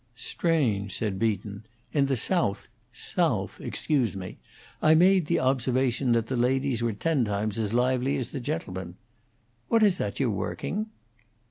"Strange," said Beaton. "In the South Soath, excuse me! I made the observation that the ladies were ten times as lively as the gentlemen. What is that you're working?"